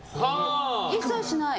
一切しない。